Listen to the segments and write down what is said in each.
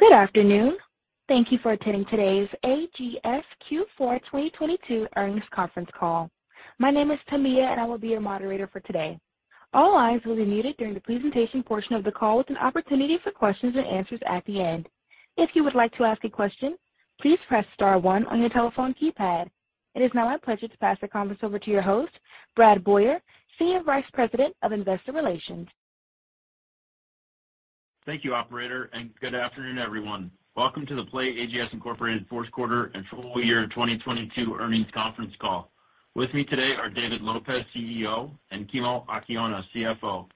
Good afternoon. Thank you for attending today's AGS Q4 2022 Earnings Conference Call. My name is Tamia. I will be your moderator for today. All lines will be muted during the presentation portion of the call with an opportunity for questions and answers at the end. If you would like to ask a question, please press star one on your telephone keypad. It is now my pleasure to pass the conference over to your host, Brad Boyer, Senior Vice President of Investor Relations. Thank you, Operator, and good afternoon, everyone. Welcome to the PlayAGS, Inc. Fourth Quarter and Full Year 2022 Earnings Conference Call. With me today are David Lopez, CEO, and Kimo Akiona, CFO.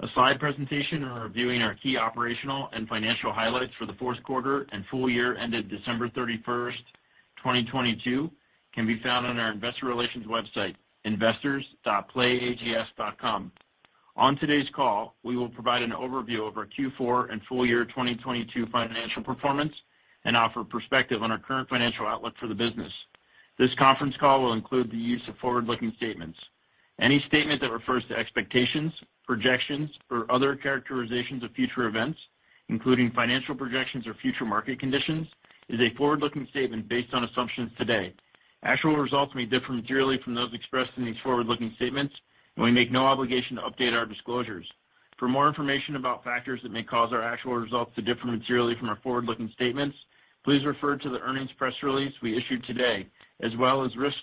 A slide presentation reviewing our key operational and financial highlights for the fourth quarter and full year ended December 31, 2022 can be found on our investor relations website, investors.playags.com. On today's call, we will provide an overview of our Q4 and full year 2022 financial performance and offer perspective on our current financial outlook for the business. This conference call will include the use of forward-looking statements. Any statement that refers to expectations, projections or other characterizations of future events, including financial projections or future market conditions, is a forward-looking statement based on assumptions today. Actual results may differ materially from those expressed in these forward-looking statements and we make no obligation to update our disclosures. For more information about factors that may cause our actual results to differ materially from our forward-looking statements, please refer to the earnings press release we issued today, as well as risks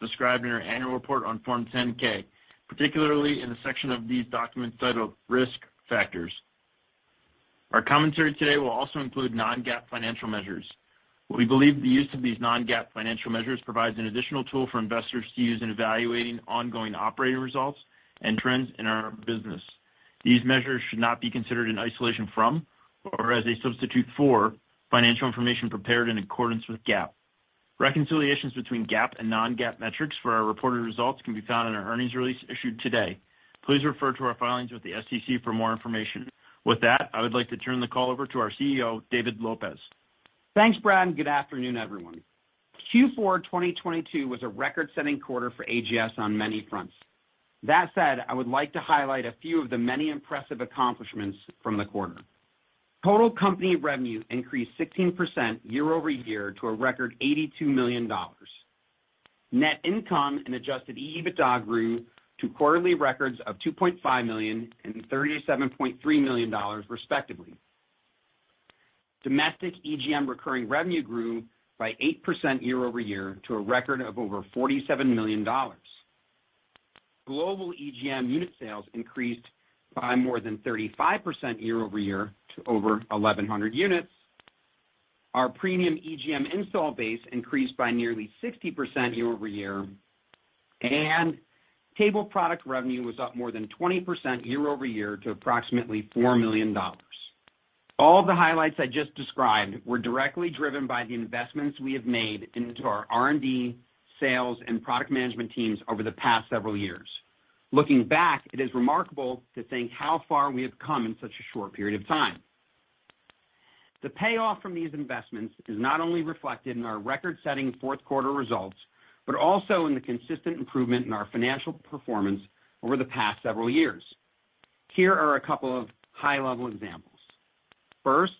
described in our annual report on Form 10-K, particularly in the section of these documents titled Risk Factors. Our commentary today will also include non-GAAP financial measures. We believe the use of these non-GAAP financial measures provides an additional tool for investors to use in evaluating ongoing operating results and trends in our business. These measures should not be considered in isolation from or as a substitute for financial information prepared in accordance with GAAP. Reconciliations between GAAP and non-GAAP metrics for our reported results can be found in our earnings release issued today. Please refer to our filings with the SEC for more information. With that, I would like to turn the call over to our CEO, David Lopez. Thanks Brad, and good afternoon everyone. Q4 2022 was a record-setting quarter for AGS on many fronts. That said, I would like to highlight a few of the many impressive accomplishments from the quarter. Total company revenue increased 16% year-over-year to a record $82 million. Net income and adjusted EBITDA grew to quarterly records of $2.5 million and $37.3 million respectively. Domestic EGM recurring revenue grew by 8% year-over-year to a record of over $47 million. Global EGM unit sales increased by more than 35% year-over-year to over 1,100 units. Our premium EGM install base increased by nearly 60% year-over-year, and table product revenue was up more than 20% year-over-year to approximately $4 million. All the highlights I just described were directly driven by the investments we have made into our R&D, sales and product management teams over the past several years. Looking back, it is remarkable to think how far we have come in such a short period of time. The payoff from these investments is not only reflected in our record-setting fourth quarter results, but also in the consistent improvement in our financial performance over the past several years. Here are a couple of high-level examples. First,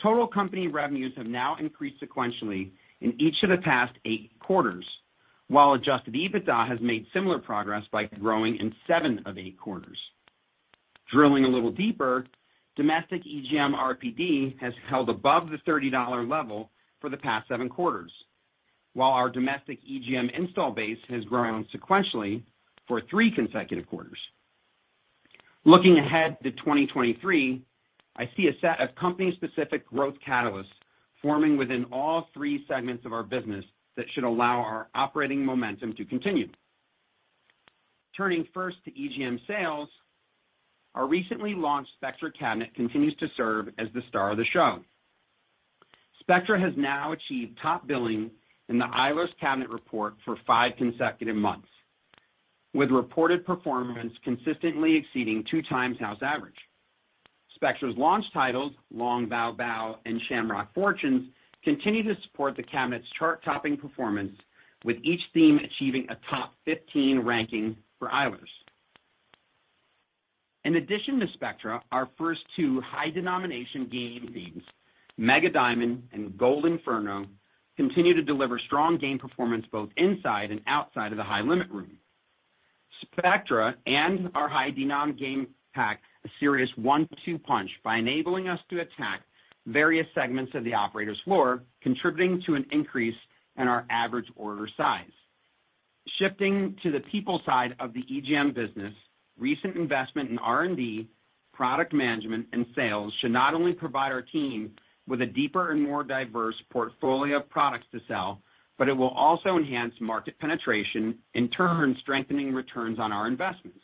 total company revenues have now increased sequentially in each of the past 8 quarters, while adjusted EBITDA has made similar progress by growing in 7 of 8 quarters. Drilling a little deeper, domestic EGM RPD has held above the $30 level for the past 7 quarters, while our domestic EGM install base has grown sequentially for 3 consecutive quarters. Looking ahead to 2023, I see a set of company-specific growth catalysts forming within all three segments of our business that should allow our operating momentum to continue. Turning first to EGM sales, our recently launched Spectra cabinet continues to serve as the star of the show. Spectra has now achieved top billing in the Eilers cabinet report for 5 consecutive months, with reported performance consistently exceeding 2 times house average. Spectra's launch titles, Long Bao Bao and Shamrock Fortunes, continue to support the cabinet's chart-topping performance with each theme achieving a top 15 ranking for Eilers. In addition to Spectra, our first two high denomination game themes, Mega Diamond and Gold Inferno, continue to deliver strong game performance both inside and outside of the high-limit room. Spectra and our high denom game pack a serious one-two punch by enabling us to attack various segments of the operator's floor, contributing to an increase in our average order size. Shifting to the people side of the EGM business, recent investment in R&D, product management and sales should not only provide our team with a deeper and more diverse portfolio of products to sell, but it will also enhance market penetration, in turn strengthening returns on our investments.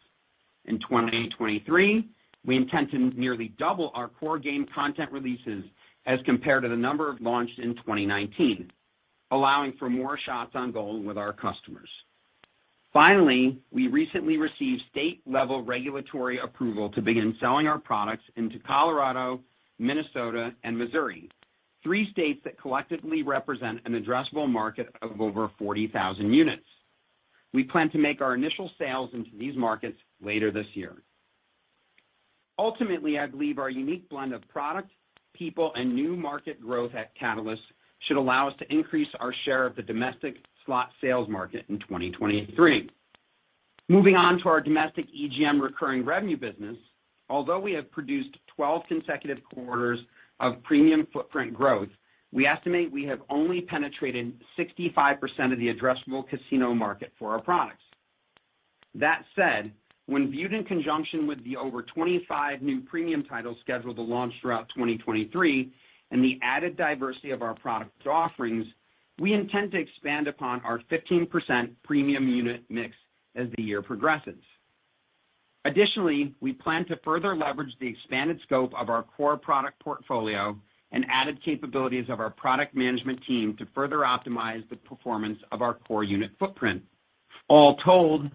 In 2023, we intend to nearly double our core game content releases as compared to the number of launched in 2019, allowing for more shots on goal with our customers. We recently received state-level regulatory approval to begin selling our products into Colorado, Minnesota and Missouri, three states that collectively represent an addressable market of over 40,000 units. We plan to make our initial sales into these markets later this year. I believe our unique blend of products, people, and new market growth at Catalyst should allow us to increase our share of the domestic slot sales market in 2023. Moving on to our domestic EGM recurring revenue business. Although we have produced 12 consecutive quarters of premium footprint growth, we estimate we have only penetrated 65% of the addressable casino market for our products. That said, when viewed in conjunction with the over 25 new premium titles scheduled to launch throughout 2023 and the added diversity of our product offerings, we intend to expand upon our 15% premium unit mix as the year progresses. Additionally, we plan to further leverage the expanded scope of our core product portfolio and added capabilities of our product management team to further optimize the performance of our core unit footprint. All told,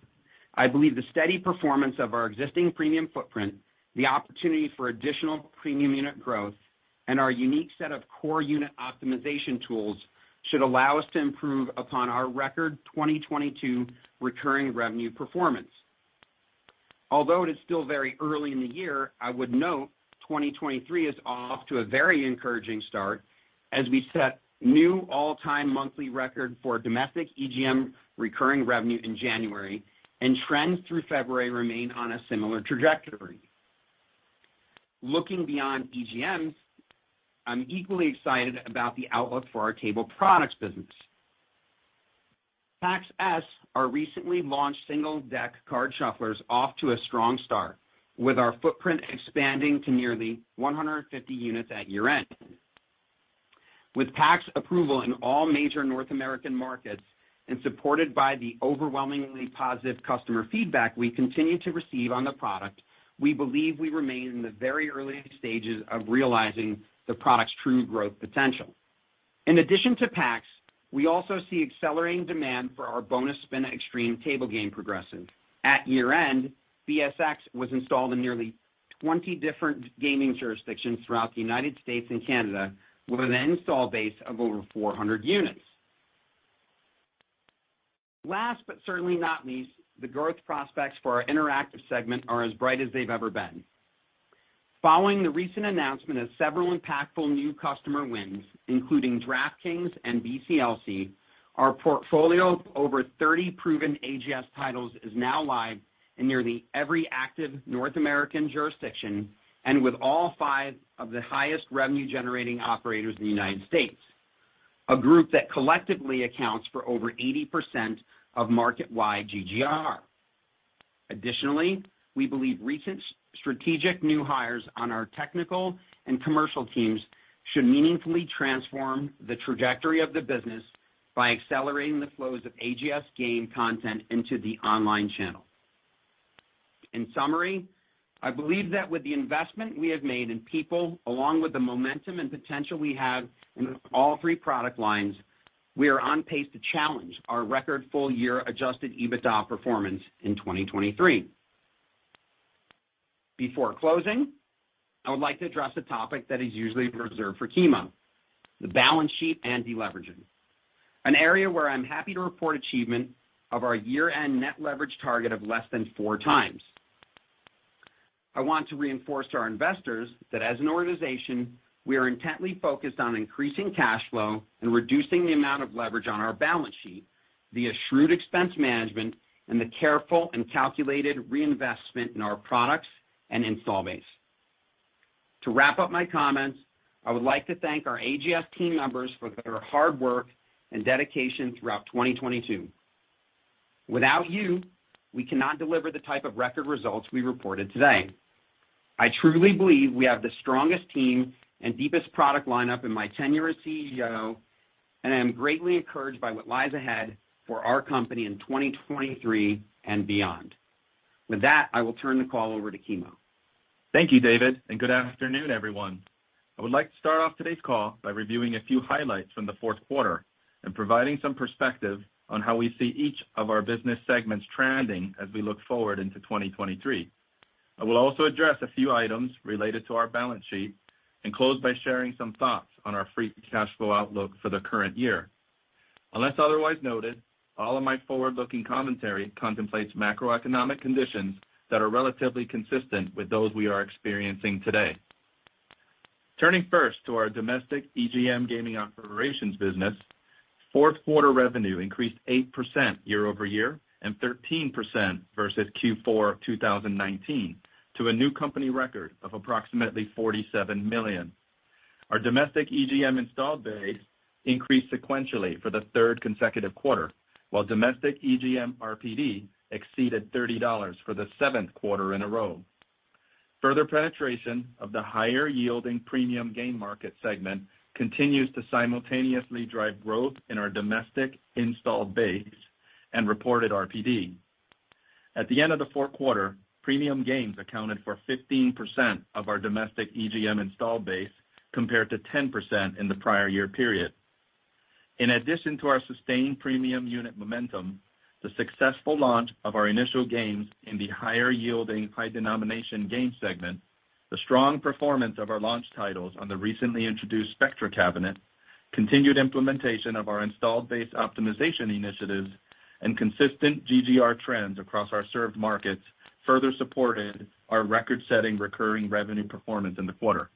I believe the steady performance of our existing premium footprint, the opportunity for additional premium unit growth, and our unique set of core unit optimization tools should allow us to improve upon our record 2022 recurring revenue performance. Although it is still very early in the year, I would note 2023 is off to a very encouraging start as we set new all-time monthly record for domestic EGM recurring revenue in January, and trends through February remain on a similar trajectory. Looking beyond EGM, I'm equally excited about the outlook for our table products business. Pax S, our recently launched single-deck card shufflers off to a strong start with our footprint expanding to nearly 150 units at year-end. With Pax approval in all major North American markets and supported by the overwhelmingly positive customer feedback we continue to receive on the product, we believe we remain in the very earliest stages of realizing the product's true growth potential. In addition to Pax, we also see accelerating demand for our Bonus Spin Xtreme table game progressive. At year-end, BSX was installed in nearly 20 different gaming jurisdictions throughout the United States and Canada, with an install base of over 400 units. Last but certainly not least, the growth prospects for our interactive segment are as bright as they've ever been. Following the recent announcement of several impactful new customer wins, including DraftKings and BCLC, our portfolio of over 30 proven AGS titles is now live in nearly every active North American jurisdiction and with all 5 of the highest revenue-generating operators in the United States, a group that collectively accounts for over 80% of market-wide GGR. We believe recent strategic new hires on our technical and commercial teams should meaningfully transform the trajectory of the business by accelerating the flows of AGS game content into the online channel. In summary, I believe that with the investment we have made in people, along with the momentum and potential we have in all three product lines, we are on pace to challenge our record full-year adjusted EBITDA performance in 2023. Before closing, I would like to address a topic that is usually reserved for Kimo, the balance sheet and deleveraging, an area where I'm happy to report achievement of our year-end net leverage target of less than 4 times. I want to reinforce to our investors that as an organization, we are intently focused on increasing cash flow and reducing the amount of leverage on our balance sheet via shrewd expense management and the careful and calculated reinvestment in our products and install base. To wrap up my comments, I would like to thank our AGS team members for their hard work and dedication throughout 2022. Without you, we cannot deliver the type of record results we reported today. I truly believe we have the strongest team and deepest product lineup in my tenure as CEO, and I am greatly encouraged by what lies ahead for our company in 2023 and beyond. With that, I will turn the call over to Kimo. Thank you, David. Good afternoon, everyone. I would like to start off today's call by reviewing a few highlights from the fourth quarter and providing some perspective on how we see each of our business segments trending as we look forward into 2023. I will also address a few items related to our balance sheet and close by sharing some thoughts on our free cash flow outlook for the current year. Unless otherwise noted, all of my forward-looking commentary contemplates macroeconomic conditions that are relatively consistent with those we are experiencing today. Turning first to our domestic EGM gaming operations business. Fourth quarter revenue increased 8% year-over-year and 13% versus Q4 of 2019 to a new company record of approximately $47 million. Our domestic EGM installed base increased sequentially for the 3rd consecutive quarter, while domestic EGM RPD exceeded $30 for the 7th quarter in a row. Further penetration of the higher-yielding premium game market segment continues to simultaneously drive growth in our domestic installed base and reported RPD. At the end of the 4th quarter, premium games accounted for 15% of our domestic EGM installed base, compared to 10% in the prior year period. In addition to our sustained premium unit momentum, the successful launch of our initial games in the higher-yielding high-denomination game segment, the strong performance of our launch titles on the recently introduced Spectra cabinet, Continued implementation of our installed base optimization initiatives and consistent GGR trends across our served markets further supported our record-setting recurring revenue performance in the quarter.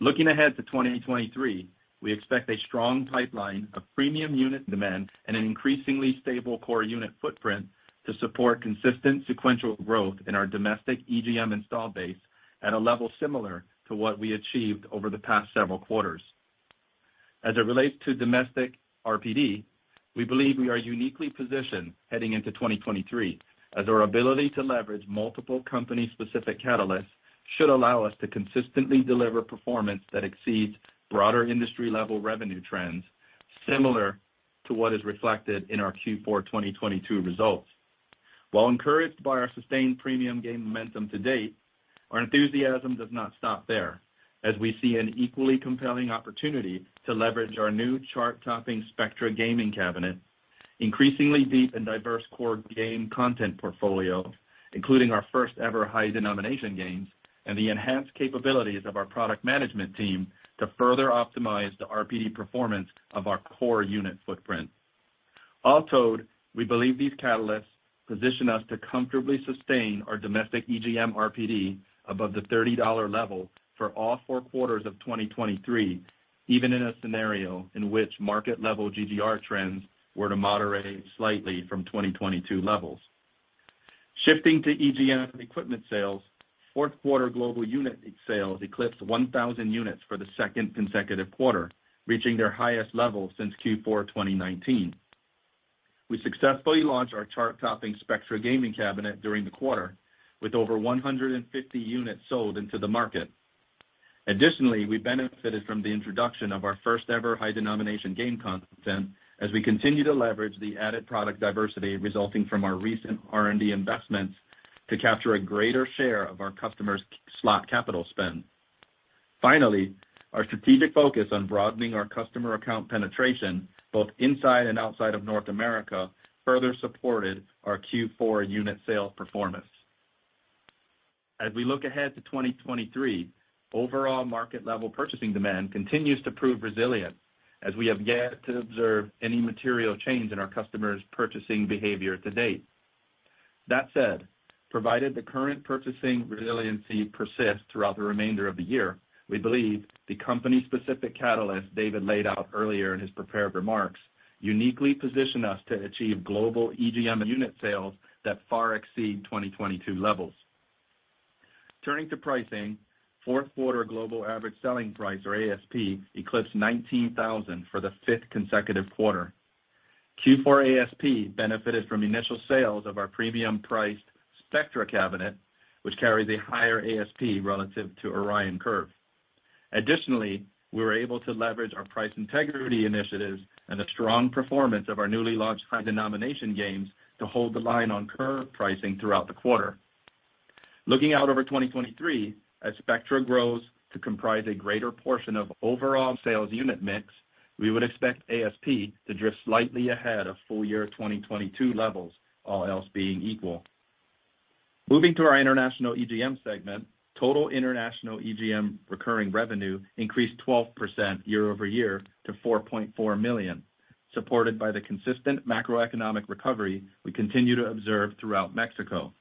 Looking ahead to 2023, we expect a strong pipeline of premium unit demand and an increasingly stable core unit footprint to support consistent sequential growth in our domestic EGM install base at a level similar to what we achieved over the past several quarters. As it relates to domestic RPD, we believe we are uniquely positioned heading into 2023, as our ability to leverage multiple company-specific catalysts should allow us to consistently deliver performance that exceeds broader industry-level revenue trends, similar to what is reflected in our Q4 2022 results. While encouraged by our sustained premium game momentum to date, our enthusiasm does not stop there, as we see an equally compelling opportunity to leverage our new chart-topping Spectra gaming cabinet, increasingly deep and diverse core game content portfolio, including our first-ever high denomination games, and the enhanced capabilities of our product management team to further optimize the RPD performance of our core unit footprint. All told, we believe these catalysts position us to comfortably sustain our domestic EGM RPD above the $30 level for all 4 quarters of 2023, even in a scenario in which market-level GGR trends were to moderate slightly from 2022 levels. Shifting to EGM equipment sales, fourth quarter global unit sales eclipsed 1,000 units for the second consecutive quarter, reaching their highest level since Q4 2019. We successfully launched our chart-topping Spectra gaming cabinet during the quarter, with over 150 units sold into the market. We benefited from the introduction of our first-ever high denomination game content as we continue to leverage the added product diversity resulting from our recent R&D investments to capture a greater share of our customers' slot capital spend. Our strategic focus on broadening our customer account penetration, both inside and outside of North America, further supported our Q4 unit sales performance. As we look ahead to 2023, overall market-level purchasing demand continues to prove resilient, as we have yet to observe any material change in our customers' purchasing behavior to date. That said, provided the current purchasing resiliency persists throughout the remainder of the year, we believe the company-specific catalyst David laid out earlier in his prepared remarks uniquely position us to achieve global EGM unit sales that far exceed 2022 levels. Turning to pricing, fourth quarter global average selling price, or ASP, eclipsed $19,000 for the fifth consecutive quarter. Q4 ASP benefited from initial sales of our premium-priced Spectra cabinet, which carries a higher ASP relative to Orion Curve. Additionally, we were able to leverage our price integrity initiatives and the strong performance of our newly launched high denomination games to hold the line on Curve pricing throughout the quarter. Looking out over 2023, as Spectra grows to comprise a greater portion of overall sales unit mix, we would expect ASP to drift slightly ahead of full year 2022 levels, all else being equal. Moving to our international EGM segment, total international EGM recurring revenue increased 12% year-over-year to $4.4 million, supported by the consistent macroeconomic recovery we continue to observe throughout Mexico.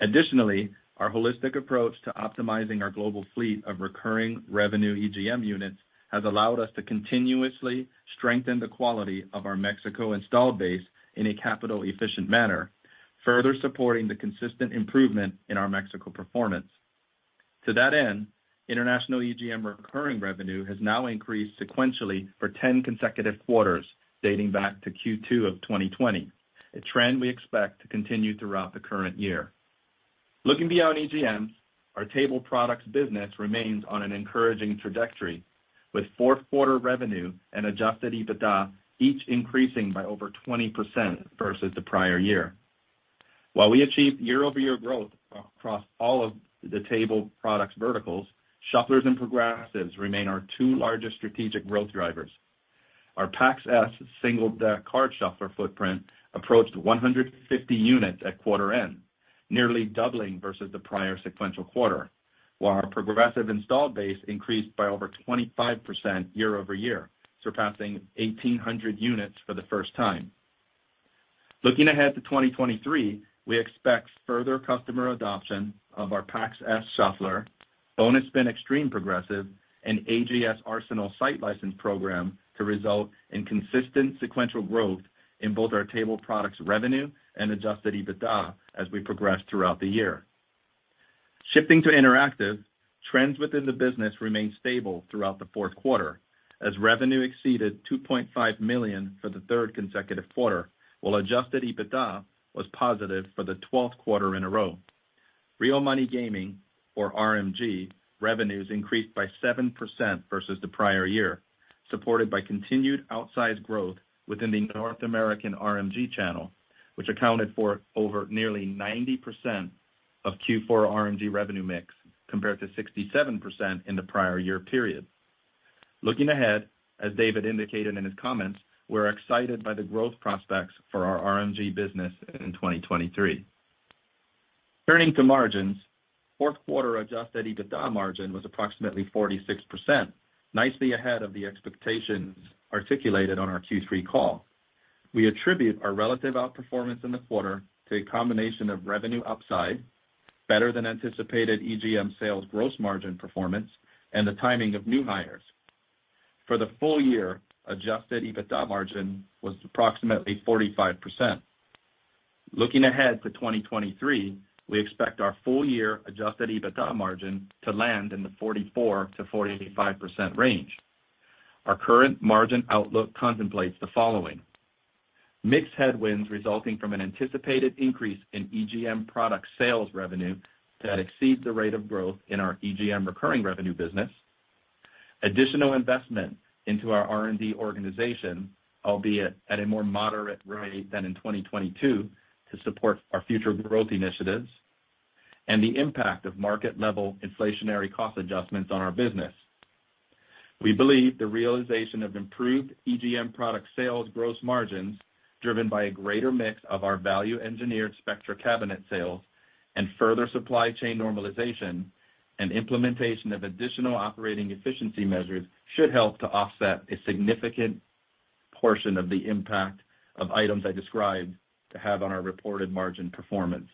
Additionally, our holistic approach to optimizing our global fleet of recurring revenue EGM units has allowed us to continuously strengthen the quality of our Mexico install base in a capital-efficient manner, further supporting the consistent improvement in our Mexico performance. To that end, international EGM recurring revenue has now increased sequentially for 10 consecutive quarters, dating back to Q2 of 2020, a trend we expect to continue throughout the current year. Looking beyond EGM, our table products business remains on an encouraging trajectory, with fourth quarter revenue and adjusted EBITDA each increasing by over 20% versus the prior year. While we achieved year-over-year growth across all of the table products verticals, shufflers and progressives remain our two largest strategic growth drivers. Our Pax S single-deck card shuffler footprint approached 150 units at quarter end, nearly doubling versus the prior sequential quarter, while our progressive install base increased by over 25% year-over-year, surpassing 1,800 units for the first time. Looking ahead to 2023, we expect further customer adoption of our Pax S shuffler, Bonus Spin Xtreme Progressive, and AGS Arsenal site license program to result in consistent sequential growth in both our table products revenue and adjusted EBITDA as we progress throughout the year. Shifting to interactive, trends within the business remained stable throughout the fourth quarter, as revenue exceeded $2.5 million for the third consecutive quarter, while adjusted EBITDA was positive for the twelfth quarter in a row. Real Money Gaming, or RMG, revenues increased by 7% versus the prior year, supported by continued outsized growth within the North American RMG channel, which accounted for over nearly 90% of Q4 RMG revenue mix, compared to 67% in the prior year period. Looking ahead, as David indicated in his comments, we're excited by the growth prospects for our RMG business in 2023. Turning to margins. Fourth quarter adjusted EBITDA margin was approximately 46%, nicely ahead of the expectations articulated on our Q3 call. We attribute our relative outperformance in the quarter to a combination of revenue upside, better than anticipated EGM sales gross margin performance, and the timing of new hires. For the full year, adjusted EBITDA margin was approximately 45%. Looking ahead to 2023, we expect our full-year adjusted EBITDA margin to land in the 44%-45% range. Our current margin outlook contemplates the following. Mixed headwinds resulting from an anticipated increase in EGM product sales revenue that exceeds the rate of growth in our EGM recurring revenue business. Additional investment into our R&D organization, albeit at a more moderate rate than in 2022 to support our future growth initiatives, and the impact of market-level inflationary cost adjustments on our business. We believe the realization of improved EGM product sales gross margins driven by a greater mix of our value-engineered Spectra cabinet sales and further supply chain normalization and implementation of additional operating efficiency measures should help to offset a significant portion of the impact of items I described to have on our reported margin performance.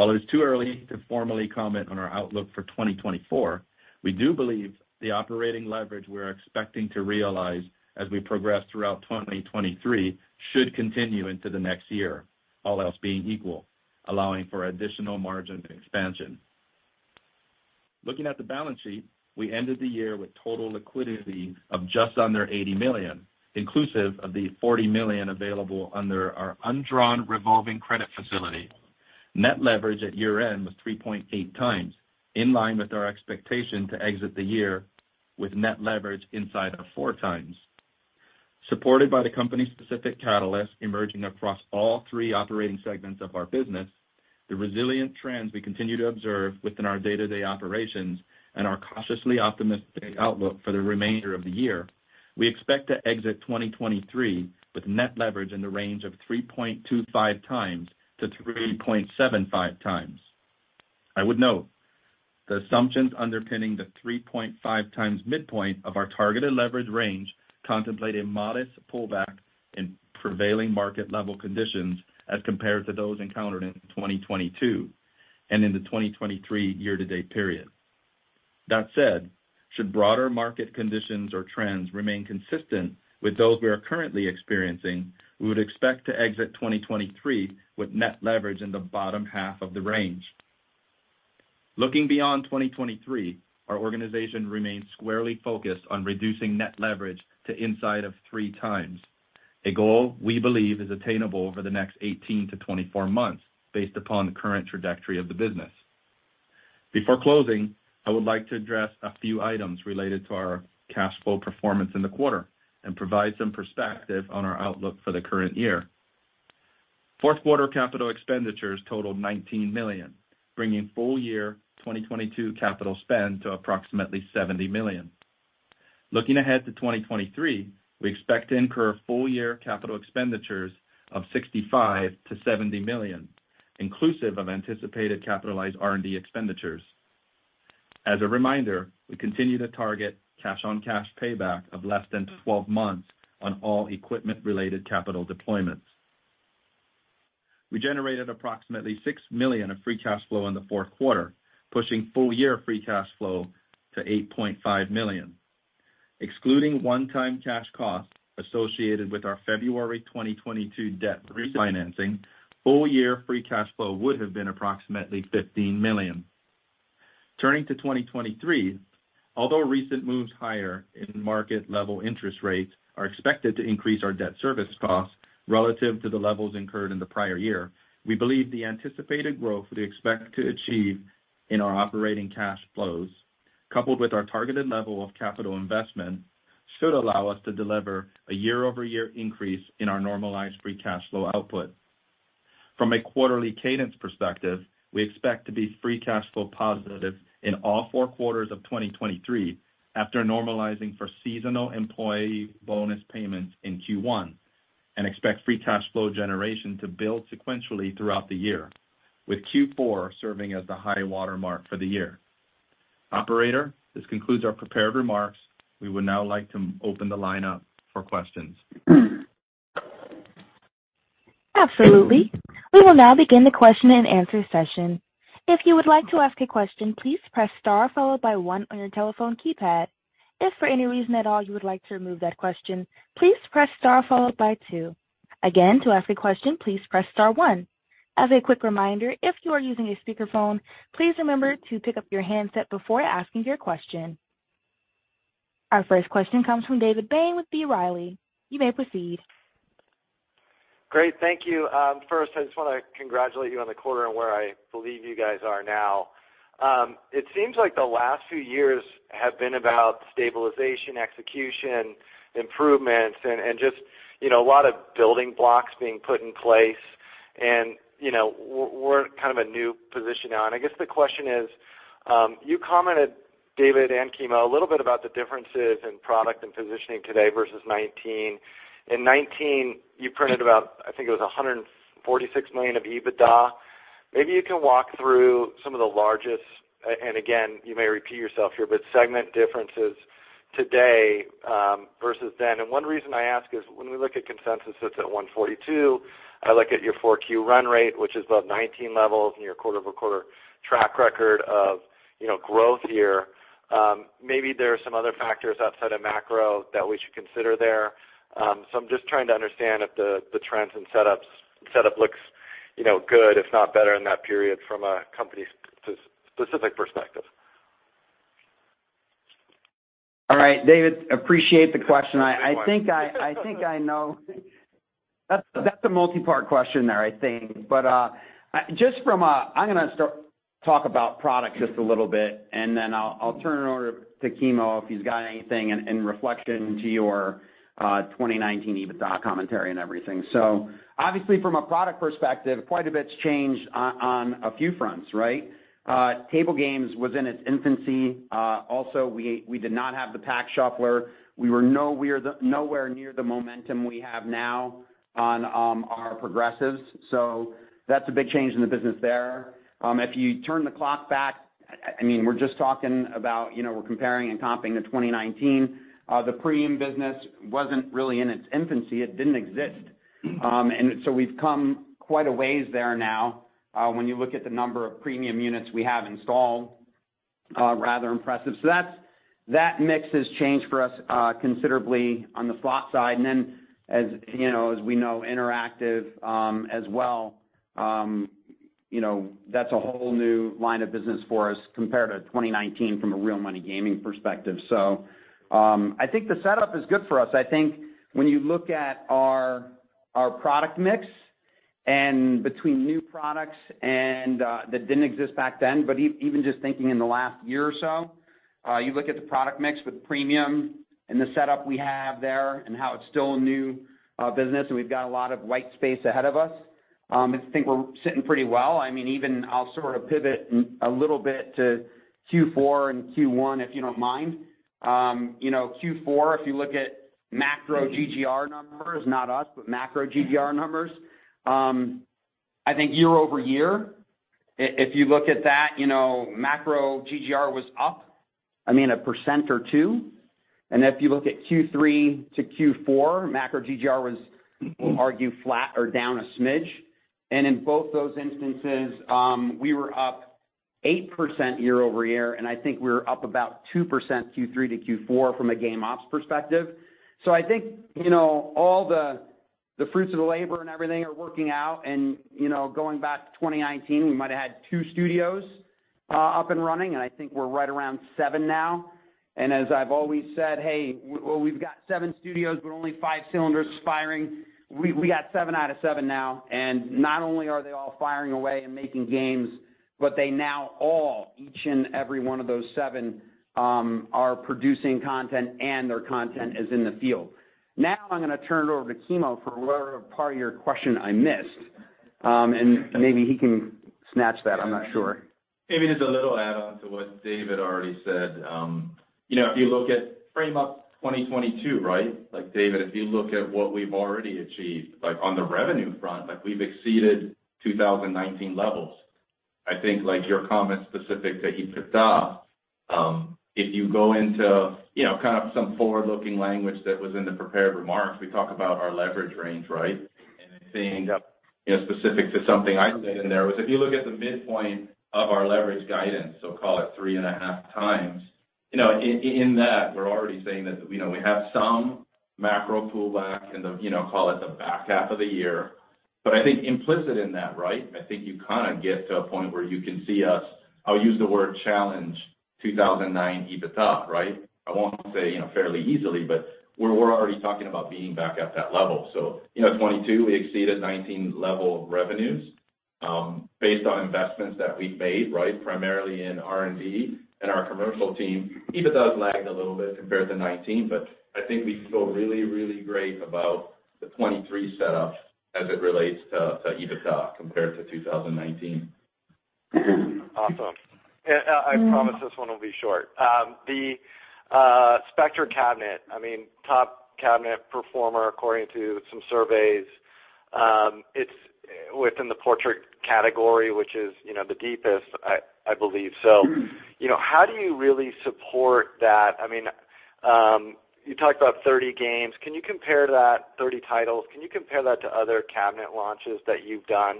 While it's too early to formally comment on our outlook for 2024, we do believe the operating leverage we're expecting to realize as we progress throughout 2023 should continue into the next year, all else being equal, allowing for additional margin expansion. Looking at the balance sheet, we ended the year with total liquidity of just under $80 million, inclusive of the $40 million available under our undrawn revolving credit facility. Net leverage at year-end was 3.8x, in line with our expectation to exit the year with net leverage inside of 4x. Supported by the company's specific catalyst emerging across all three operating segments of our business, the resilient trends we continue to observe within our day-to-day operations, and our cautiously optimistic outlook for the remainder of the year, we expect to exit 2023 with net leverage in the range of 3.25x-3.75x. I would note the assumptions underpinning the 3.5x midpoint of our targeted leverage range contemplate a modest pullback in prevailing market level conditions as compared to those encountered in 2022 and in the 2023 year-to-date period. That said, should broader market conditions or trends remain consistent with those we are currently experiencing, we would expect to exit 2023 with net leverage in the bottom half of the range. Looking beyond 2023, our organization remains squarely focused on reducing net leverage to inside of 3 times. A goal we believe is attainable over the next 18-24 months based upon the current trajectory of the business. Before closing, I would like to address a few items related to our cash flow performance in the quarter and provide some perspective on our outlook for the current year. fourth quarter capital expenditures totaled $19 million, bringing full year 2022 capital spend to approximately $70 million. Looking ahead to 2023, we expect to incur full year capital expenditures of $65 million-$70 million, inclusive of anticipated capitalized R&D expenditures. As a reminder, we continue to target cash-on-cash payback of less than 12 months on all equipment-related capital deployments. We generated approximately $6 million of free cash flow in the fourth quarter, pushing full year free cash flow to $8.5 million. Excluding one-time cash costs associated with our February 2022 debt refinancing, full year free cash flow would have been approximately $15 million. Turning to 2023, although recent moves higher in market level interest rates are expected to increase our debt service costs relative to the levels incurred in the prior year, we believe the anticipated growth we expect to achieve in our operating cash flows, coupled with our targeted level of capital investment, should allow us to deliver a year-over-year increase in our normalized free cash flow output. From a quarterly cadence perspective, we expect to be free cash flow positive in all four quarters of 2023 after normalizing for seasonal employee bonus payments in Q1 and expect free cash flow generation to build sequentially throughout the year, with Q4 serving as the high watermark for the year. Operator, this concludes our prepared remarks. We would now like to open the line up for questions. Absolutely. We will now begin the question-and-answer session. If you would like to ask a question, please press star followed by one on your telephone keypad. If for any reason at all you would like to remove that question, please press star followed by two. Again, to ask a question, please press star one. As a quick reminder, if you are using a speakerphone, please remember to pick up your handset before asking your question. Our first question comes from David Bain with B. Riley. You may proceed. Great, thank you. First I just want to congratulate you on the quarter and where I believe you guys are now. It seems like the last few years have been about stabilization, execution, improvements, and, you know, a lot of building blocks being put in place. You know, we're kind of a new position now. I guess the question is, you commented David and Kimo, a little bit about the differences in product and positioning today versus 2019. In 2019, you printed about, I think it was $146 million of EBITDA. Maybe you can walk through some of the largest, and again, you may repeat yourself here, but segment differences today versus then. One reason I ask is when we look at consensus, it's at $142. I look at your 4Q run rate, which is above 19 levels, and your quarter-over-quarter track record of, you know, growth here. Maybe there are some other factors outside of macro that we should consider there. I'm just trying to understand if the trends and setups setup looks, you know, good, if not better in that period from a company-specific perspective. All right, David, appreciate the question. I think I know. That's a multi-part question there, I think. Talk about product just a little bit, and then I'll turn it over to Kimo if he's got anything in reflection to your 2019 EBITDA commentary and everything. Obviously from a product perspective, quite a bit's changed on a few fronts, right? Table games was in its infancy. Also we did not have the Pax shuffler. We are nowhere near the momentum we have now on our progressives. That's a big change in the business there. If you turn the clock back, I mean, we're just talking about, you know, we're comparing and comping to 2019. The premium business wasn't really in its infancy, it didn't exist. We've come quite a ways there now, when you look at the number of premium units we have installed, rather impressive. That mix has changed for us considerably on the slot side. As, you know, as we know, interactive, as well, you know, that's a whole new line of business for us compared to 2019 from a real money gaming perspective. I think the setup is good for us. I think when you look at our product mix and between new products and that didn't exist back then, but even just thinking in the last year or so, you look at the product mix with premium and the setup we have there and how it's still a new business, and we've got a lot of white space ahead of us, I think we're sitting pretty well. I mean, even I'll sort of pivot a little bit to Q4 and Q1, if you don't mind. You know, Q4, if you look at macro GGR numbers, not us, but macro GGR numbers, I think year-over-year, if you look at that, you know, macro GGR was up, I mean, 1% or 2%. If you look at Q3 to Q4, macro GGR was, we'll argue, flat or down a smidge. In both those instances, we were up 8% year-over-year, and I think we were up about 2% Q3 to Q4 from a game ops perspective. I think, you know, all the fruits of the labor and everything are working out and, you know, going back to 2019, we might've had 2 studios up and running, and I think we're right around 7 now. As I've always said, hey, we've got 7 studios, but only 5 cylinders firing. We got 7 out of 7 now. Not only are they all firing away and making games, but they now all, each and every one of those 7, are producing content, and their content is in the field. I'm gonna turn it over to Kimo for whatever part of your question I missed. Maybe he can snatch that, I'm not sure. Maybe just a little add on to what David already said. you know, if you look at frame up 2022, right? Like David, if you look at what we've already achieved, like on the revenue front, like we've exceeded 2019 levels. I think like your comment specific to EBITDA, if you go into, you know, kind of some forward-looking language that was in the prepared remarks, we talk about our leverage range, right? I think, you know, specific to something I said in there was, if you look at the midpoint of our leverage guidance, so call it 3.5 times, you know, in that we're already saying that, you know, we have some macro pullback in the, you know, call it the back half of the year. I think implicit in that, right, I think you kind of get to a point where you can see us, I'll use the word challenge, 2009 EBITDA, right? I won't say, you know, fairly easily, but we're already talking about being back at that level. you know, 2022, we exceeded 2019 level of revenues, based on investments that we've made, right, primarily in R&D and our commercial team. EBITDA has lagged a little bit compared to 2019, I think we feel really great about the 2023 setup as it relates to EBITDA compared to 2019. Awesome. I promise this one will be short. The Spectra cabinet, I mean, top cabinet performer according to some surveys, it's within the portrait category, which is, you know, the deepest I believe. You know, how do you really support that? You talked about 30 games. Can you compare that 30 titles, can you compare that to other cabinet launches that you've done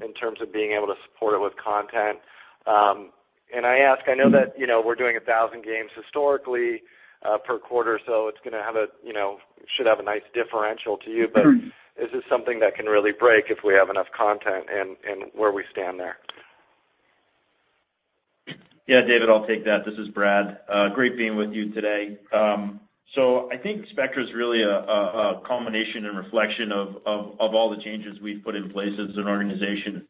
in terms of being able to support it with content? I ask, I know that, you know, we're doing 1,000 games historically per quarter, so it's gonna have a, you know, should have a nice differential to you. Is this something that can really break if we have enough content and where we stand there? Yeah, David, I'll take that. This is Brad. great being with you today. I think Spectra is really a culmination and reflection of all the changes we've put in place as an organization.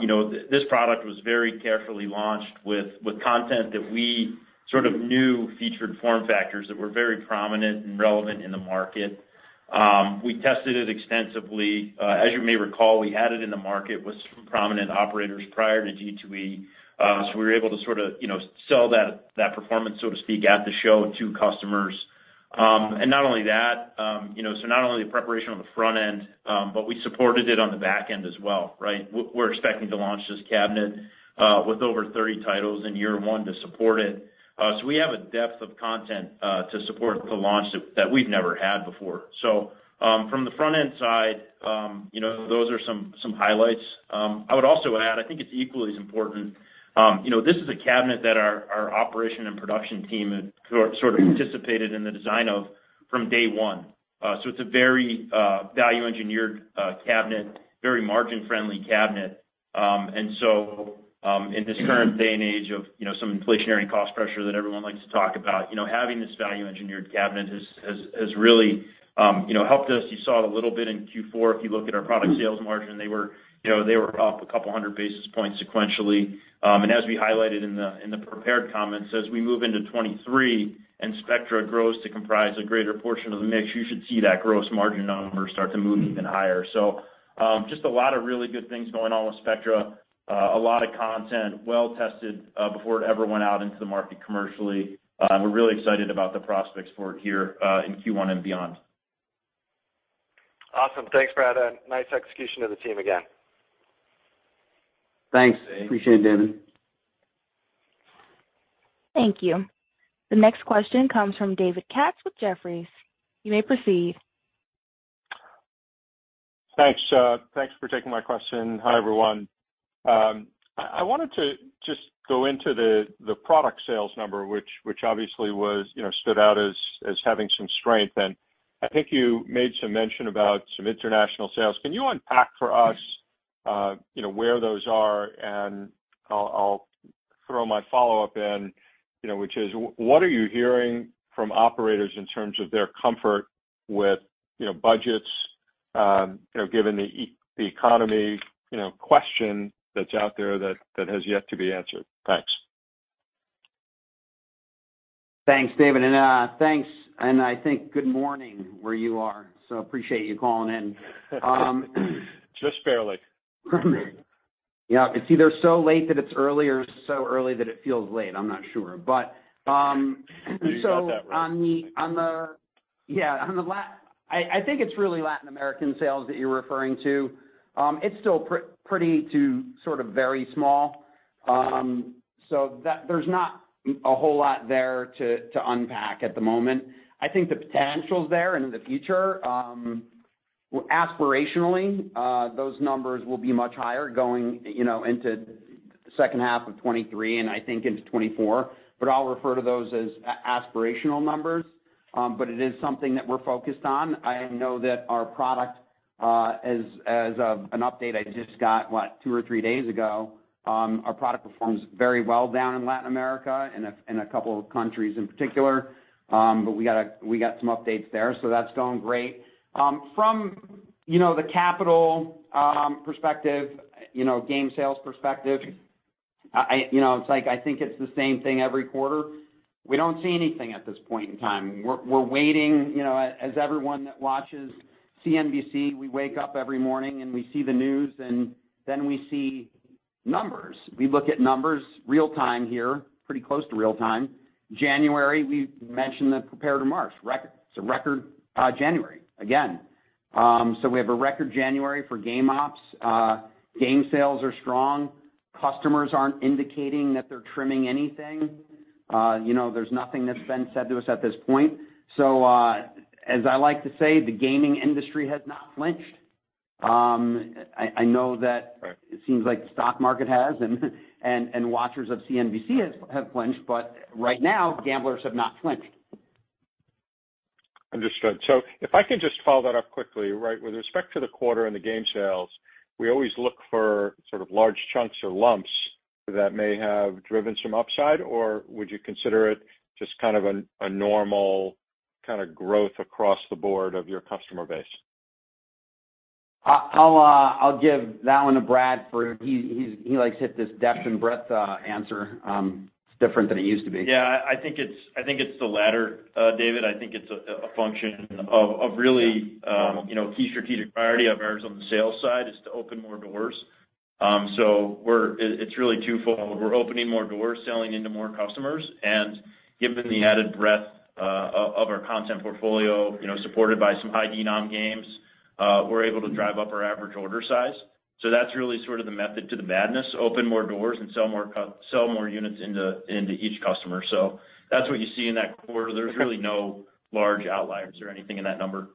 you know, this product was very carefully launched with content that we sort of knew. Featured form factors that were very prominent and relevant in the market. We tested it extensively. As you may recall, we had it in the market with some prominent operators prior to G2E. We were able to sort of, you know, sell that performance, so to speak, at the show to customers. Not only that, you know, so not only the preparation on the front end, but we supported it on the back end as well, right? We're expecting to launch this cabinet with over 30 titles in year 1 to support it. We have a depth of content to support the launch that we've never had before. From the front end side, you know, those are some highlights. I would also add, I think it's equally as important, you know, this is a cabinet that our operation and production team sort of anticipated in the design of from day one. It's a very value engineered cabinet, very margin friendly cabinet. In this current day and age of, you know, some inflationary cost pressure that everyone likes to talk about, you know, having this value engineered cabinet has really, you know, helped us. You saw it a little bit in Q4. If you look at our product sales margin, they were, you know, they were up 200 basis points sequentially. As we highlighted in the, in the prepared comments, as we move into 2023 and Spectra grows to comprise a greater portion of the mix, you should see that gross margin number start to move even higher. Just a lot of really good things going on with Spectra. A lot of content, well tested, before it ever went out into the market commercially. We're really excited about the prospects for it here, in Q1 and beyond. Awesome. Thanks, Brad. Nice execution of the team again. Thanks. Appreciate it, David. Thank you. The next question comes from David Katz with Jefferies. You may proceed. Thanks. Thanks for taking my question. Hi, everyone. I wanted to just go into the product sales number, which obviously was, you know, stood out as having some strength. I think you made some mention about some international sales. Can you unpack for us, you know, where those are? I'll throw my follow-up in, you know, which is what are you hearing from operators in terms of their comfort with, you know, budgets, you know, given the economy, you know, question that's out there that has yet to be answered? Thanks. Thanks, David, and thanks. I think good morning where you are. Appreciate you calling in. Just barely. Yeah. It's either so late that it's early or so early that it feels late. I'm not sure. You got that right. On the- yeah, on the- I think it's really Latin American sales that you're referring to. It's still pretty to sort of very small. That there's not a whole lot there to unpack at the moment. I think the potential is there in the future. Aspirationally, those numbers will be much higher going, you know, into second half of 2023 and I think into 2024, but I'll refer to those as aspirational numbers. It is something that we're focused on. I know that our product, as of an update I just got, what, two or three days ago, our product performs very well down in Latin America, in a couple of countries in particular. We got some updates there, so that's going great. From, you know, the capital perspective, you know, game sales perspective, I, you know, it's like, I think it's the same thing every quarter. We don't see anything at this point in time. We're waiting, you know, as everyone that watches CNBC, we wake up every morning, and we see the news, and then we see numbers. We look at numbers real-time here, pretty close to real time. January, we mentioned the prepare to March record. It's a record January again. We have a record January for game ops. Game sales are strong. Customers aren't indicating that they're trimming anything. You know, there's nothing that's been said to us at this point. As I like to say, the gaming industry has not flinched. I know that it seems like the stock market has and watchers of CNBC have flinched. Right now, gamblers have not flinched. Understood. If I could just follow that up quickly, right? With respect to the quarter and the game sales, we always look for sort of large chunks or lumps that may have driven some upside. Would you consider it just kind of a normal kind of growth across the board of your customer base? I'll give that one to Brad for he likes to hit this depth and breadth answer. It's different than it used to be. I think it's, I think it's the latter, David. I think it's a function of really, you know, key strategic priority of ours on the sales side is to open more doors. It's really twofold. We're opening more doors, selling into more customers, and given the added breadth of our content portfolio, you know, supported by some high denom games, we're able to drive up our average order size. That's really sort of the method to the madness. Open more doors and sell more units into each customer. That's what you see in that quarter. There's really no large outliers or anything in that number.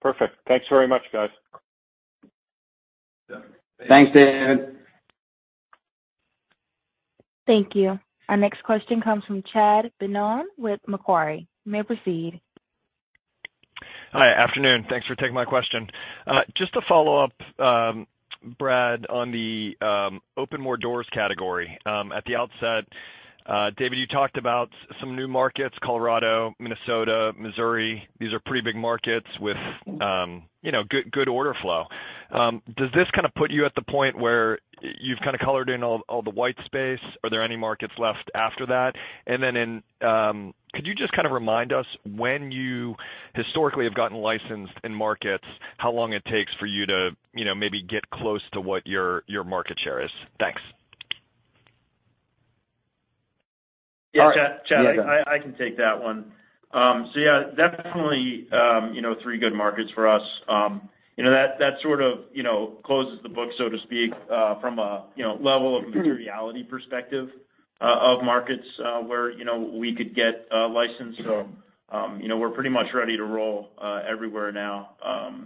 Perfect. Thanks very much, guys. Thanks, David. Thank you. Our next question comes from Chad Beynon with Macquarie. You may proceed. Hi. Afternoon. Thanks for taking my question. just to follow up, Brad, on the open more doors category. at the outset, David. Some new markets, Colorado, Minnesota, Missouri. These are pretty big markets with, you know, good order flow. Does this kind of put you at the point where you've kind of colored in all the white space? Are there any markets left after that? Could you just kind of remind us when you historically have gotten licensed in markets, how long it takes for you to, you know, maybe get close to what your market share is? Thanks. Yeah, Chad, I can take that one. Yeah, definitely, you know, 3 good markets for us. You know, that sort of, you know, closes the book, so to speak, from a, you know, level of materiality perspective, of markets, where, you know, we could get licensed. You know, we're pretty much ready to roll everywhere now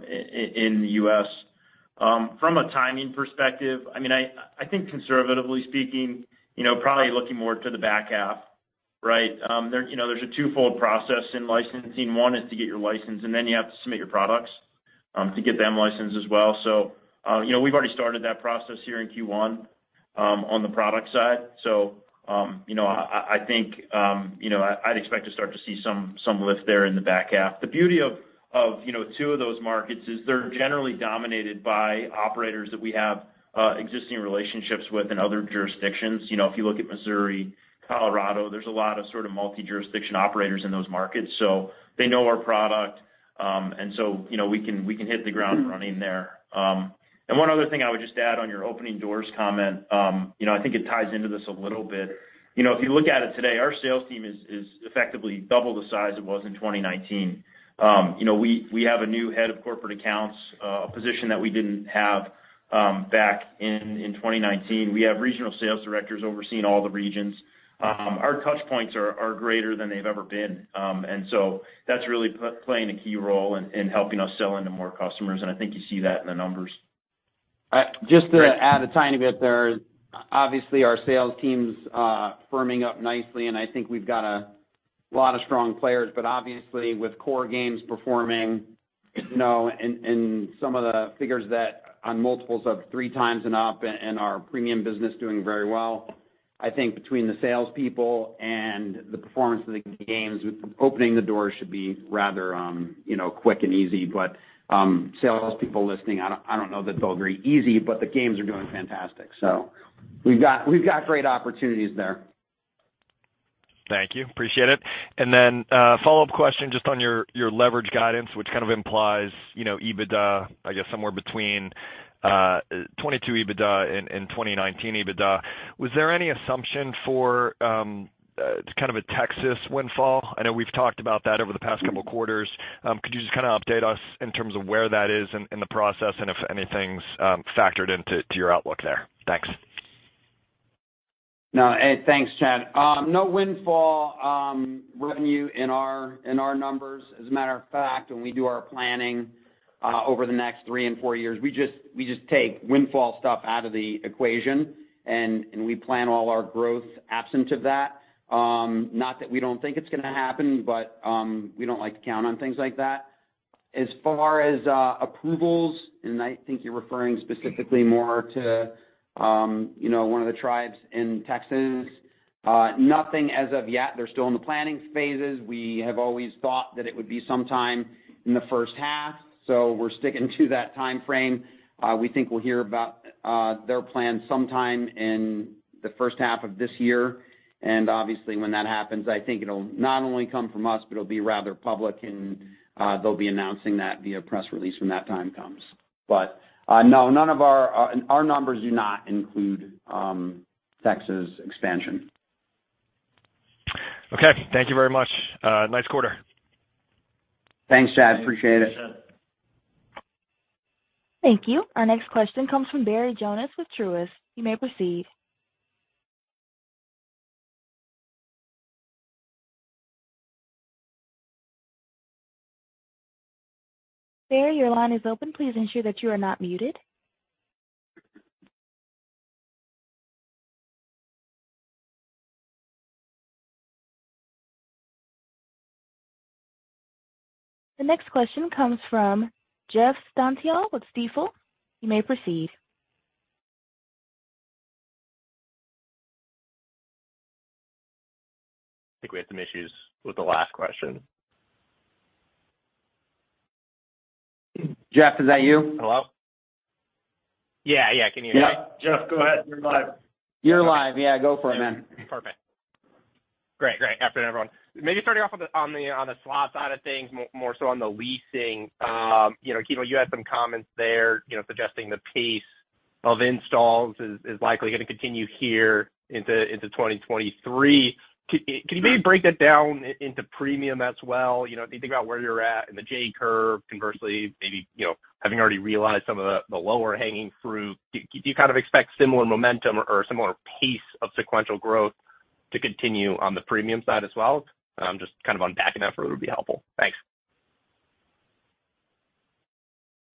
in the U.S. From a timing perspective, I mean, I think conservatively speaking, you know, probably looking more to the back half, right? There, you know, there's a twofold process in licensing. One is to get your license, then you have to submit your products to get them licensed as well. You know, we've already started that process here in Q1 on the product side. You know, I think, you know, I'd expect to start to see some lift there in the back half. The beauty of, you know, two of those markets is they're generally dominated by operators that we have existing relationships with in other jurisdictions. You know, if you look at Missouri, Colorado, there's a lot of sort of multi-jurisdiction operators in those markets, so they know our product. You know, we can hit the ground running there. One other thing I would just add on your opening doors comment, you know, I think it ties into this a little bit. You know, if you look at it today, our sales team is effectively double the size it was in 2019. You know, we have a new head of corporate accounts, a position that we didn't have back in 2019. We have regional sales directors overseeing all the regions. Our touch points are greater than they've ever been. That's really playing a key role in helping us sell into more customers, and I think you see that in the numbers. Just to add a tiny bit there. Obviously, our sales team's firming up nicely, and I think we've got a lot of strong players. Obviously, with core games performing, you know, and some of the figures that on multiples of 3 times and up and our premium business doing very well, I think between the salespeople and the performance of the games, opening the doors should be rather, you know, quick and easy. Salespeople listening, I don't know that they're very easy, but the games are doing fantastic. We've got great opportunities there. Thank you. Appreciate it. Then, follow-up question just on your leverage guidance, which kind of implies, you know, EBITDA, I guess somewhere between 2022 EBITDA and 2019 EBITDA. Was there any assumption for, kind of a Texas windfall? I know we've talked about that over the past couple quarters. Could you just kind of update us in terms of where that is in the process and if anything's factored into your outlook there? Thanks. No. Hey, thanks, Chad. No windfall revenue in our numbers. As a matter of fact, when we do our planning over the next 3 and 4 years, we just take windfall stuff out of the equation, and we plan all our growth absent of that. Not that we don't think it's gonna happen, but we don't like to count on things like that. As far as approvals, and I think you're referring specifically more to, you know, one of the tribes in Texas, nothing as of yet. They're still in the planning phases. We have always thought that it would be sometime in the first half, so we're sticking to that timeframe. We think we'll hear about their plans sometime in the first half of this year. Obviously, when that happens, I think it'll not only come from us, but it'll be rather public and, they'll be announcing that via press release when that time comes. No, none of our numbers do not include, Texas expansion. Okay. Thank you very much. Nice quarter. Thanks, Chad. Appreciate it. Thanks, Chad. Thank you. Our next question comes from Barry Jonas with Truist. You may proceed. Barry, your line is open. Please ensure that you are not muted. The next question comes from Jeff Stantial with Stifel. You may proceed. I think we had some issues with the last question. Jeff, is that you? Hello? Yeah, yeah. Can you hear me? Yeah. Jeff, go ahead. You're live. You're live. Yeah, go for it, man. Perfect. Great. Afternoon, everyone. Maybe starting off on the slot side of things, more so on the leasing. You know, Kimo, you had some comments there, you know, suggesting the pace of installs is likely gonna continue here into 2023. Can you maybe break that down into premium as well? You know, if you think about where you're at in the J curve, conversely, maybe, you know, having already realized some of the lower hanging fruit, do you kind of expect similar momentum or similar pace of sequential growth to continue on the premium side as well? Just kind of unpacking that further would be helpful. Thanks.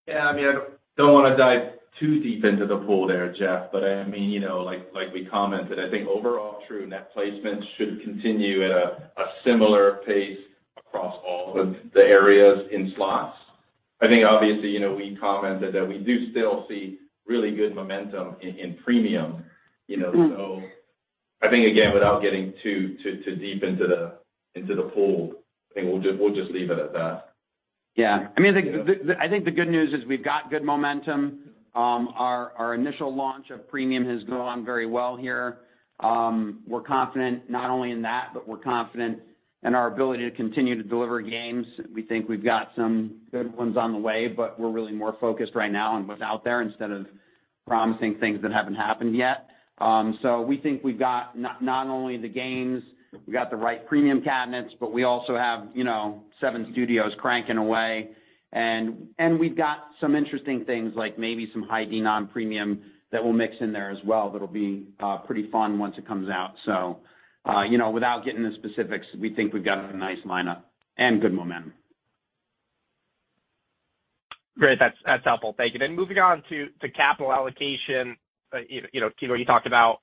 Yeah, I mean, I don't wanna dive too deep into the pool there, Jeff, but I mean, you know, like we commented, I think overall true net placements should continue at a similar pace across all of the areas in slots. I think obviously, you know, we commented that we do still see really good momentum in premium, you know. I think, again, without getting too deep into the pool, I think we'll just leave it at that. Yeah. I mean, I think the good news is we've got good momentum. Our initial launch of premium has gone very well here. We're confident not only in that, but we're confident in our ability to continue to deliver games. We think we've got some good ones on the way, but we're really more focused right now on what's out there instead of promising things that haven't happened yet. We think we've got not only the games, we've got the right premium cabinets, but we also have, you know, seven studios cranking away. We've got some interesting things like maybe some high denom premium that we'll mix in there as well that'll be pretty fun once it comes out. You know, without getting into specifics, we think we've got a nice lineup and good momentum. Great. That's helpful. Thank you. Moving on to capital allocation. You know, Kimo, you talked about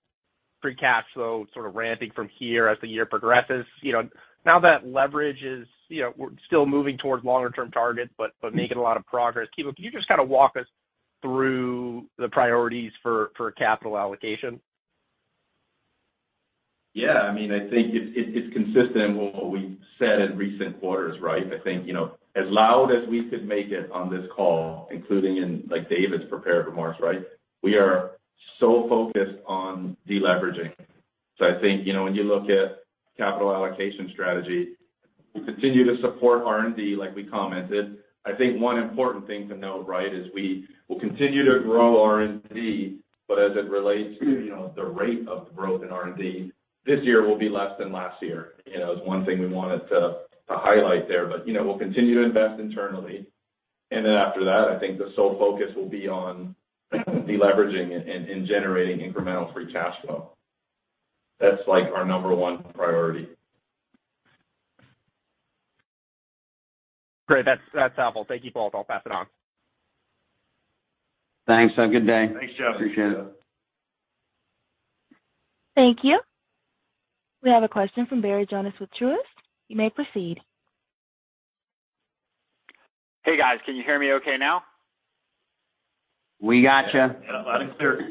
free cash flow sort of ramping from here as the year progresses. You know, now that leverage is, you know, we're still moving towards longer term targets, but making a lot of progress. Kimo, can you just kind of walk us through the priorities for capital allocation? I think it's consistent with what we've said in recent quarters, right? As loud as we could make it on this call, including in like David's prepared remarks, right? We are so focused on deleveraging. When you look at capital allocation strategy, we continue to support R&D like we commented. One important thing to note, right, is we will continue to grow R&D, but as it relates to, you know, the rate of growth in R&D, this year will be less than last year. It's one thing we wanted to highlight there. We'll continue to invest internally. After that, I think the sole focus will be on deleveraging and generating incremental free cash flow. That's like our number one priority. Great. That's helpful. Thank you both. I'll pass it on. Thanks. Have a good day. Thanks, Jeff. Appreciate it. Thank you. We have a question from Barry Jonas with Truist. You may proceed. Hey, guys. Can you hear me okay now? We got you. Yeah, loud and clear.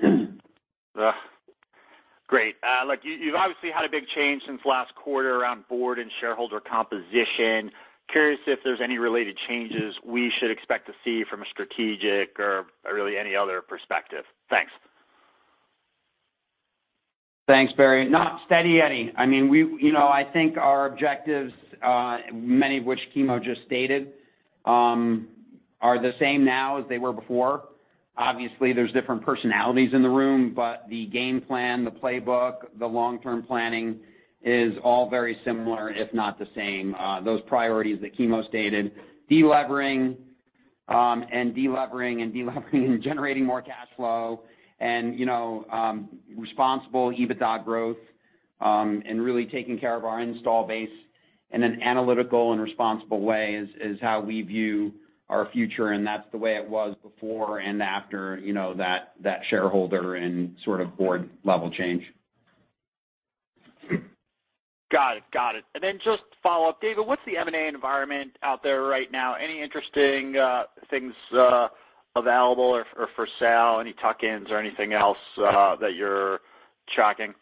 Great. look, you've obviously had a big change since last quarter around board and shareholder composition. Curious if there's any related changes we should expect to see from a strategic or really any other perspective. Thanks. Thanks, Barry. Not steady any. I mean, you know, I think our objectives, many of which Kimo just stated, are the same now as they were before. Obviously, there's different personalities in the room, but the game plan, the playbook, the long-term planning is all very similar, if not the same. Those priorities that Kimo stated, delevering and delevering and generating more cash flow and, you know, responsible EBITDA growth, Really taking care of our install base in an analytical and responsible way is how we view our future, and that's the way it was before and after, you know, that shareholder and sort of board level change. Got it. Got it. Just follow-up, David, what's the M&A environment out there right now? Any interesting things available or for sale? Any tuck-ins or anything else that you're tracking?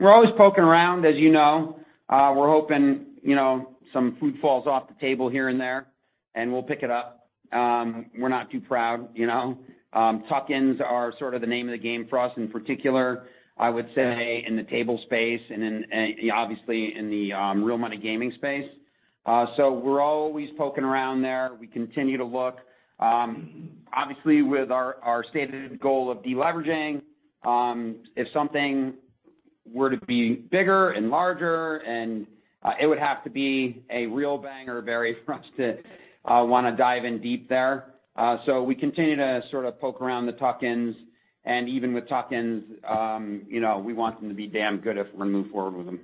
We're always poking around, as you know. We're hoping, you know, some fruit falls off the table here and there, and we'll pick it up. We're not too proud, you know. Tuck-ins are sort of the name of the game for us in particular, I would say in the table space and in, obviously in the real money gaming space. We're always poking around there. We continue to look. Obviously with our stated goal of deleveraging, if something were to be bigger and larger and, it would have to be a real banger, Barry, for us to wanna dive in deep there. We continue to sort of poke around the tuck-ins and even with tuck-ins, you know, we want them to be damn good if we're gonna move forward with them.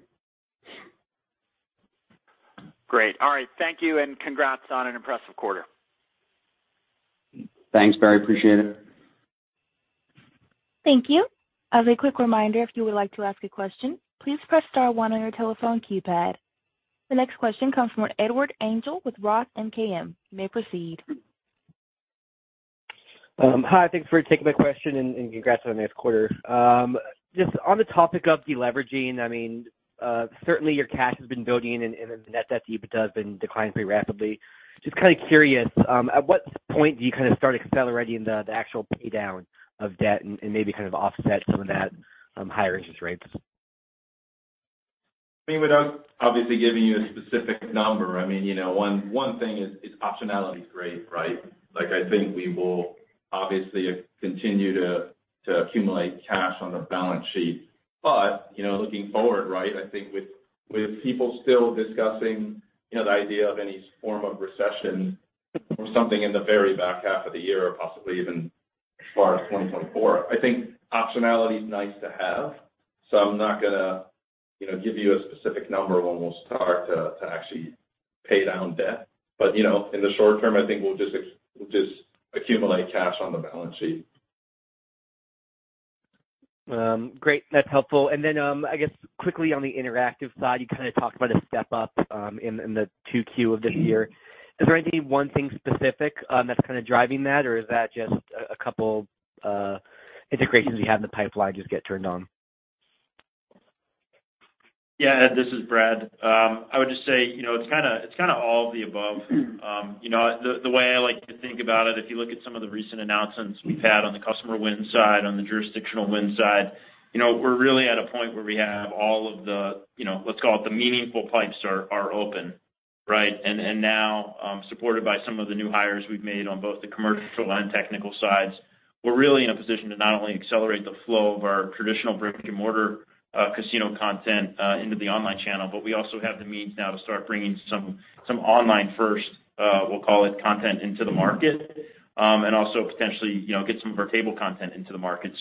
Great. All right. Thank you and congrats on an impressive quarter. Thanks, Barry. Appreciate it. Thank you. As a quick reminder, if you would like to ask a question, please press star one on your telephone keypad. The next question comes from Edward Engel with ROTH MKM. You may proceed. Hi. Thanks for taking my question and congrats on a nice quarter. Just on the topic of deleveraging, I mean, certainly your cash has been building and the net debt to EBITDA has been declining pretty rapidly. Just kind of curious, at what point do you kind of start accelerating the actual pay down of debt and maybe kind of offset some of that higher interest rates? I mean, without obviously giving you a specific number, I mean, you know, one thing is optionality is great, right? Like, I think we will obviously continue to accumulate cash on the balance sheet. You know, looking forward, right, I think with people still discussing, you know, the idea of any form of recession or something in the very back half of the year, possibly even as far as 2024, I think optionality is nice to have, so I'm not gonna, you know, give you a specific number when we'll start to actually pay down debt. You know, in the short term, I think we'll just accumulate cash on the balance sheet. Great. That's helpful. Then, I guess quickly on the interactive side, you kind of talked about a step up in the 2Q of this year. Is there any one thing specific that's kind of driving that, or is that just a couple integrations you have in the pipeline just get turned on? Yeah. This is Brad. I would just say, you know, it's kinda all of the above. You know, the way I like to think about it, if you look at some of the recent announcements we've had on the customer win side, on the jurisdictional win side, you know, we're really at a point where we have all of the, you know, let's call it the meaningful pipes are open, right? Now, supported by some of the new hires we've made on both the commercial and technical sides, we're really in a position to not only accelerate the flow of our traditional brick-and-mortar casino content into the online channel, but we also have the means now to start bringing some online first, we'll call it, content into the market, and also potentially, you know, get some of our table content into the market.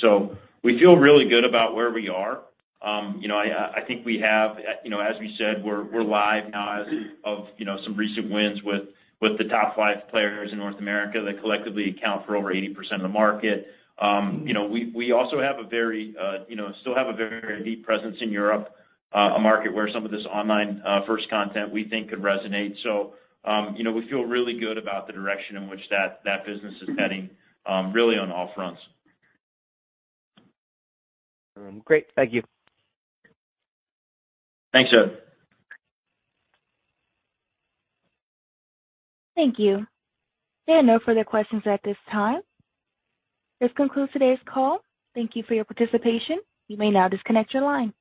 We feel really good about where we are. You know, I think we have, you know, as we said, we're live now as of, you know, some recent wins with the top 5 players in North America that collectively account for over 80% of the market. You know, we also have a very, you know, still have a very deep presence in Europe, a market where some of this online first content we think could resonate. You know, we feel really good about the direction in which that business is heading, really on all fronts. Great. Thank you. Thanks, Edward. Thank you. There are no further questions at this time. This concludes today's call. Thank you for your participation. You may now disconnect your line.